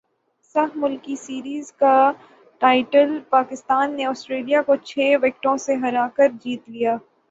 سہ ملکی سیریز کا ٹائٹل پاکستان نے اسٹریلیا کو چھ وکٹوں سے ہرا کرجیت لیا